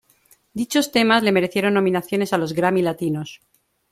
Dichos temas le merecieron nominaciones a los Grammy Latinos.